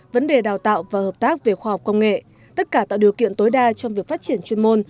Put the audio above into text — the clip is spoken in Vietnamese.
vấn đề đào tạo và hợp tác về khoa học công nghệ tất cả tạo điều kiện tối đa trong việc phát triển chuyên môn